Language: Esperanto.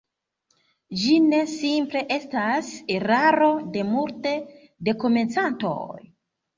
Ĝi ne simple estas eraro de multe da komencantoj.